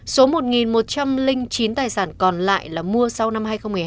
số một một trăm linh chín tài sản còn lại là mua sau năm hai nghìn một mươi hai